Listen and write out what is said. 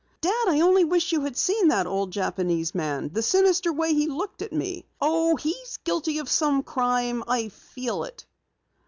"Dad, I only wish you had seen that old Japanese the sinister way he looked at me. Oh, he's guilty of some crime. I feel it."